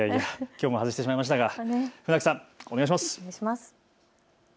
きょうも外してしまいましたが船木さん、お願いします。